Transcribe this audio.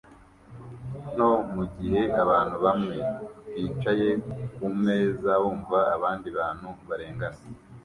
nto mugihe abantu bamwe bicaye kumeza bumva abandi bantu barengana